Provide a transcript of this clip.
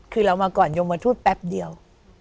คือเรามาก่อนยมทูตแป๊บเดียว